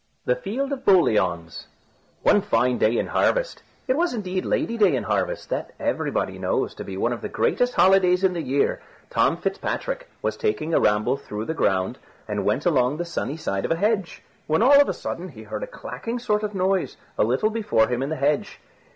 THE FIELD OF BOLIAUNS One fine day in harvest it was indeed Lady day in harvest, that everybody knows to be one of the greatest holidays in the year Tom Fitzpatrick was taking a ramble through the ground, and went along the sunny side of a hedge; when all of a sudden he heard a clacking sort of noise a little before him in the hedge.